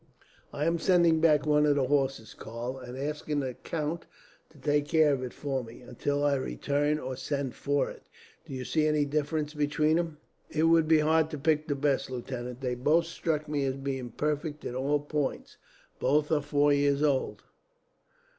"I am sending back one of the horses, Karl, and asking the count to take care of it for me, until I return or send for it. Do you see any difference between them?" "It would be hard to pick the best, lieutenant. They both struck me as being perfect in all points both are four years old."